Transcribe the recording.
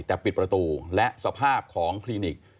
แต่ปิดประตูและสภาพของคลินิก